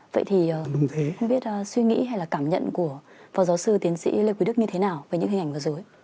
vậy thì không biết suy nghĩ hay là cảm nhận của phó giáo sư tiến sĩ lê quý đức như thế nào về những hình ảnh vừa rồi